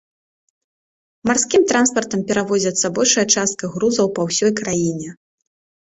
Марскім транспартам перавозіцца большая частка грузаў па ўсёй краіне.